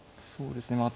そうですね。